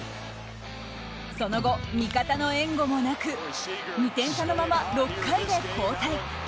その後、味方の援護もなく２点差のまま６回で交代。